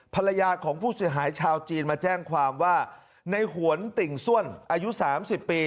ภรรยาของผู้เสียหายชาวจีนมาแจ้งความว่าในหวนติ่งส้วนอายุ๓๐ปี